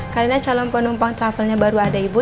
karena calon penumpang travelnya baru ada ibu